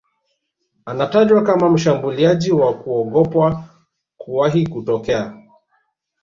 Anatajwa kama mshambuliaji wa kuogopwa kuwahi kutokea